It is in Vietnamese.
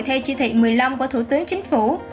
theo chỉ thị một mươi năm của thủ tướng chính phủ